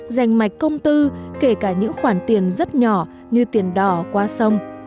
dành mạch công tư kể cả những khoản tiền rất nhỏ như tiền đỏ qua sông